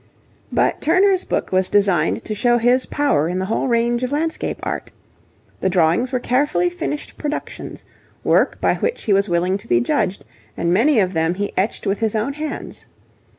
But Turner's book was designed to show his power in the whole range of landscape art. The drawings were carefully finished productions, work by which he was willing to be judged, and many of them he etched with his own hands.